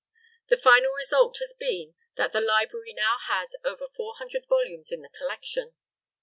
The final result has been that the Library now has over four hundred volumes in the collection.